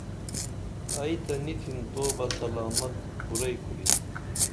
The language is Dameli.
ائی تہ نی تِھم تو بہ سلامت کُرئی کُرِن